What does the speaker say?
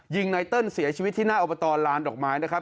ยิงในเติลเสียชีวิตที่น่าเอาไปต่อล้านดอกไม้นะครับ